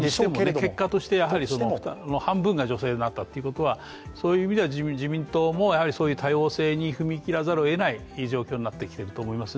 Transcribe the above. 結果として半分が女性になったということはそういう意味では自民党も多様性に踏み切らざるを得ない状況になってきていると思います。